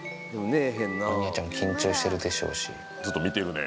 アニヤちゃん緊張してるでしょうし。